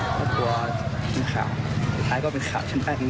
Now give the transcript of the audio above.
เพราะกลัวเป็นข่าวสุดท้ายก็เป็นข่าวฉันแปลกนิดหนึ่ง